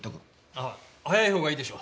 あっ早い方がいいでしょう。